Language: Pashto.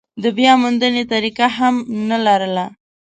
د بیاموندنې طریقه هم نه لرله.